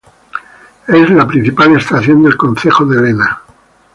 Es la principal estación del concejo de Lena.